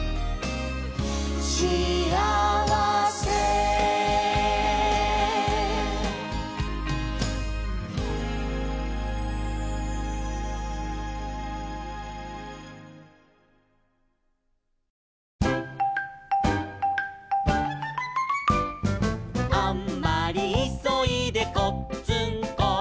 「シアワセ」「あんまりいそいでこっつんこ」